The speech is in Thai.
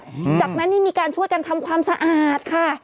จากนั้นนี่มีการช่วยกันทำความสะอาดค่ะ